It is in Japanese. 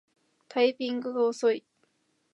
タイピングが遅い